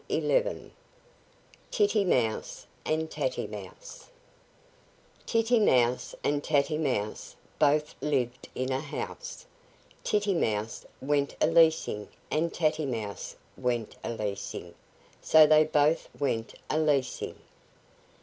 TITTY MOUSE AND TATTY MOUSE Titty Mouse and Tatty Mouse both lived in a house, Titty Mouse went a leasing and Tatty Mouse went a leasing, So they both went a leasing.